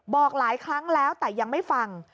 บอกหลายครั้งแล้วแต่ยังไม่ฟัง